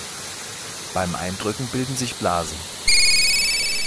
Beim Eindrücken bilden sich Blasen.